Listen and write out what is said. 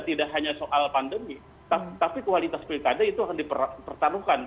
tidak hanya soal pandemi tapi kualitas pilkada itu akan dipertaruhkan